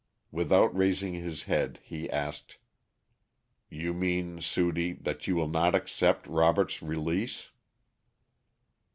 Without raising his head he asked: "You mean, Sudie, that you will not accept Robert's release?"